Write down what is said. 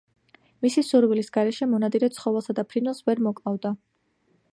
მისი სურვილის გარეშე მონადირე ცხოველსა და ფრინველს ვერ მოკლავდა.